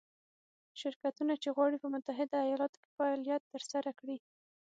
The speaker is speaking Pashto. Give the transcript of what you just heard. شرکتونه چې غواړي په متحده ایالتونو کې فعالیت ترسره کړي.